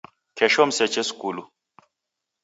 Kesho mseche skulu